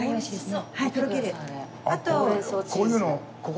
あと。